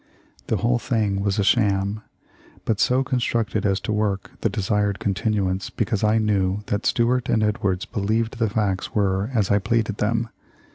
The whole thing was a sham, but so con structed as to work the desired continuance, because I knew that Stuart and Edwards believed the facts were as I pleaded them.